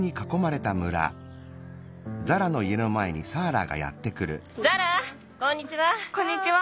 ザラこんにちは！